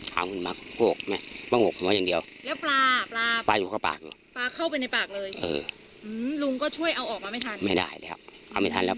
เห็นปลาคาปากเค้าเลยได้ักดิ์เลยใช่ไหมเอาไม่ทันแล้ว